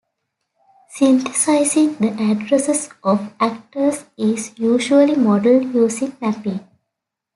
Synthesizing the addresses of Actors is usually modeled using mapping.